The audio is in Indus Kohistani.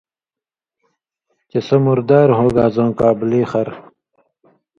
چہ سو مردار ہوگا زؤں کابلی خر